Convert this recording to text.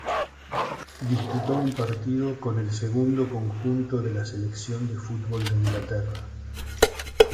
Disputó un partido con el segundo conjunto de la selección de fútbol de Inglaterra.